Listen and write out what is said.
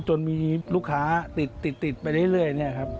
จนมีลูกค้าติดไปเรื่อยเนี่ยครับ